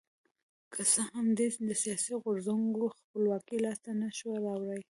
که څه هم دې سیاسي غورځنګونو خپلواکي لاسته نه شوه راوړی.